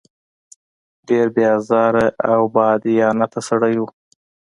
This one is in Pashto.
ډېر بې آزاره او بادیانته سړی و.